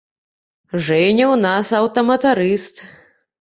Жэня ў нас аўтаматарыст.